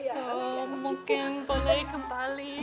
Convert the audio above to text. jadi mungkin boleh kembali